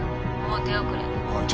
もう手遅れおい